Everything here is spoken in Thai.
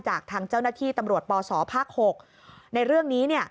จากทางเจ้าหน้าที่ตำรวจปศภาค๖ในเรื่องนี้